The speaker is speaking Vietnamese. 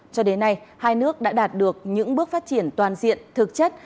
cho đến nay hai nước đã đạt được những bước phát triển toàn diện thực chất